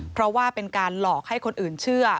เพราะว่าเป็นการหลอกให้คนอื่นเชื่อ